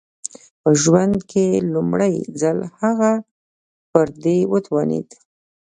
په ژوند کې لومړی ځل هغه پر دې وتوانېد